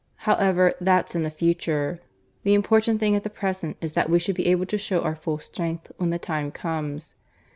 However, that's in the future. The important thing at the present is that we should be able to show our full strength when the time comes.